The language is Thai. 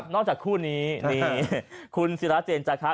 นอกจากคู่นี้คุณศิราเจนจากฮะ